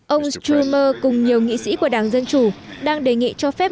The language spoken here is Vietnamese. ông streumer cùng nhiều nghị sĩ của đảng dân chủ đang đề nghị cho phép